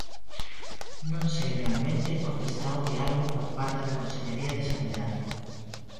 Non sei realmente onde está o diálogo por parte da Consellería de Sanidade.